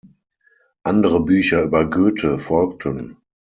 Andere Bücher über Goethe folgten.